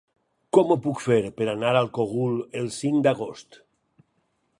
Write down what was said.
Com ho puc fer per anar al Cogul el cinc d'agost?